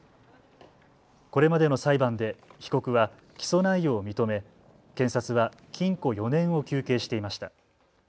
これまでの裁判で被告は起訴内容を認め、検察は禁錮４年を求刑していました。